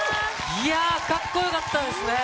いやぁ、かっこよかったですね！